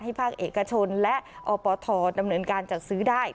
ภาคเอกชนและอปทดำเนินการจัดซื้อได้